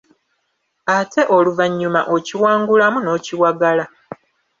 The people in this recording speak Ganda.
Ate oluvannyuma okiwangulamu n’okiwagala.